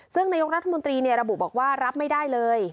ซึ่งนายกรัฐมนตรีระบุบอกว่ารับไม่ได้เลย